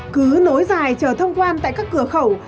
cứ nối dài chờ thông quan tại các cửa khẩu